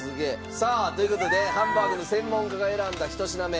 さあという事でハンバーグの専門家が選んだ１品目